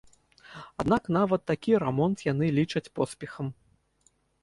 Аднак нават такі рамонт яны лічаць поспехам.